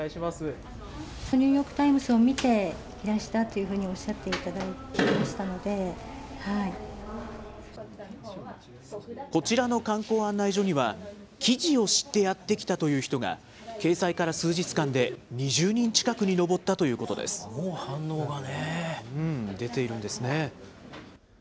ニューヨーク・タイムズを見ていらしたというふうにおっしゃこちらの観光案内所には、記事を知ってやって来たという人が掲載から数日間で２０人近くにもう反応がね。